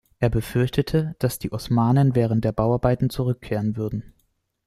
Er befürchtete, dass die Osmanen während der Bauarbeiten zurückkehren würden.